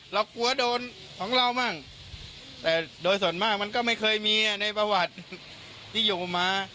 เรากลัวโดนของเรามั่งแต่โดยส่วนมากมันก็ไม่เคยมีในประวัติที่อยู่มา